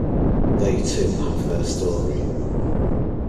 They too have their story.